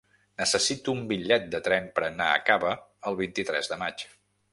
Necessito un bitllet de tren per anar a Cava el vint-i-tres de maig.